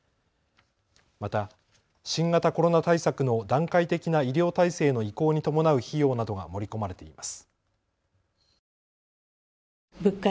また新型コロナ対策の段階的な医療体制の移行に伴う費用などが盛り込まれています。